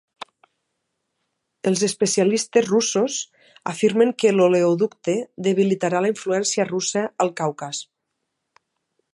Els especialistes russos afirmen que l'oleoducte debilitarà la influència russa al Caucas.